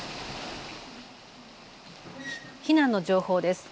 避難の情報です。